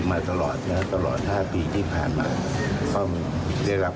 พวกรายได้น้อยที่เราก็อยากแก้อยู่นะครับ